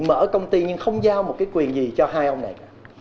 mở công ty nhưng không giao một quyền gì cho hai ông này